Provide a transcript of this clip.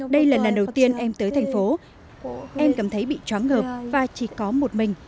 đây là lần đầu tiên em tới thành phố em cảm thấy bị chóng ngợp và chỉ có một mình